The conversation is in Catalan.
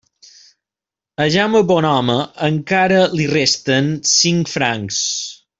A Jaume Bonhome encara li resten cinc francs.